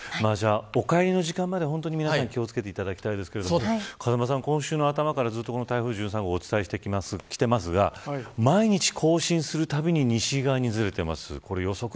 お帰りの時間までは、皆さん気を付けてほしいですが風間さん、今週の頭からずっと台風１３号をお伝えしていますが毎日更新するたびに西側にずれています。